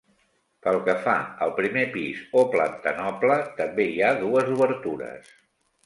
Pel que fa al primer pis o planta noble, també hi ha dues obertures.